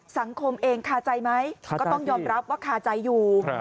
สังคมเองคาใจไหมก็ต้องยอมรับว่าคาใจอยู่